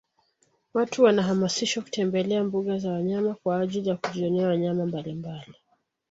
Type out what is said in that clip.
Watu wanahamasishwa kutembelea mbuga za wanyama kwaajili ya kujionea wanyama mbalimbali